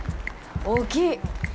大きい。